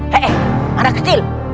hei anak kecil